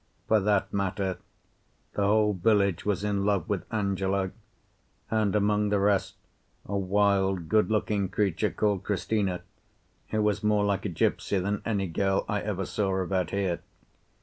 For that matter, the whole village was in love with Angelo, and among the rest a wild, good looking creature called Cristina, who was more like a gipsy than any girl I ever saw about here.